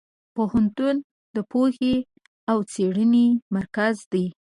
پوهنتون د پوهې او څېړنې مرکز دی.